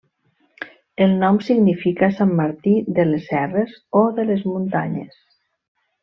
El nom significa Sant Martí de les serres o de les muntanyes.